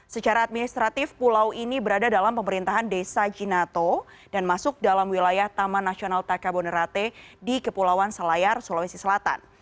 secara administratif pulau ini berada dalam pemerintahan desa jinato dan masuk dalam wilayah taman nasional takabonerate di kepulauan selayar sulawesi selatan